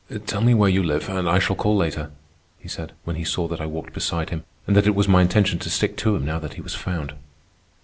"Tell me where you live, and I shall call later," he said, when he saw that I walked beside him and that it was my intention to stick to him now that he was found.